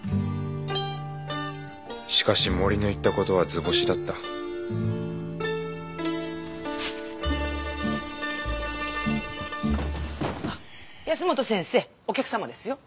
しかし森の言った事は図星だった保本先生お客様ですよ。